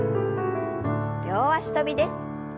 両脚跳びです。